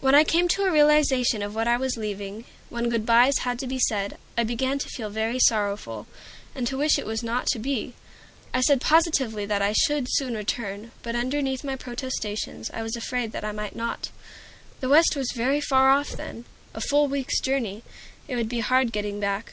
When I came to a realization of what I was leaving, when good bys had to be said, I began to feel very sorrowful, and to wish it was not to be. I said positively that I should soon return, but underneath my protestations I was afraid that I might not. The West was very far off then, a full week's journey. It would be hard getting back.